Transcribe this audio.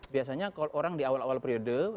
biasanya kalau orang di awal awal periode